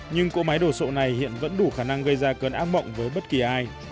nhưng cỗ máy đồ sộ này hiện vẫn đủ khả năng gây ra cơn ác mộng với bất kỳ ai